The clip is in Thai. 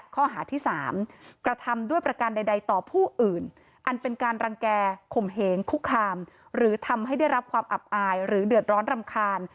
ข้อหาที่๓กระทำด้วยประการใดต่อผู้อื่นอันเป็นการรังแก่ข่มเหงคุกคามหรือทำให้ได้รับความอับอายหรือเดือดร้อนรำคาญ